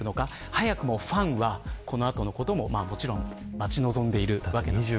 早くもファンは、この後のことも待ち望んでいるわけなんですね。